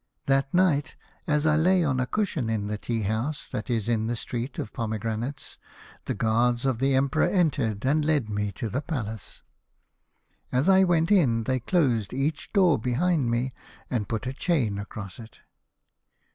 "That night, as I lay on a cushion in the tea house that is in the Street of Pomegranates, the guards of the Emperor entered and led me to the palace. As I went in they closed each door behind me, and put a chain across it.